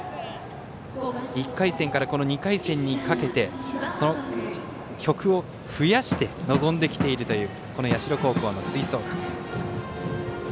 １回戦から２回戦にかけて曲を増やして臨んできているというこの社高校の吹奏楽。